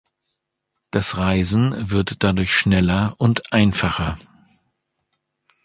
Das Reisen wird dadurch schneller und einfacher.